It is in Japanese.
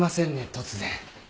突然。